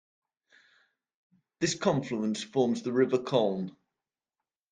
This confluence forms the River Colne.